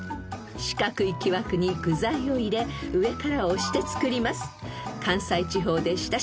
［四角い木枠に具材を入れ上から押して作ります］